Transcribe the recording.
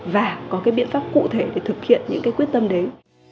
và có cái biện pháp cụ thể để thực hiện những cái quyết tâm đấy